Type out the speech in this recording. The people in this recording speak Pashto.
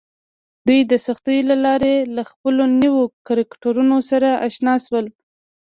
دوی د سختیو له لارې له خپلو نویو کرکټرونو سره اشنا شول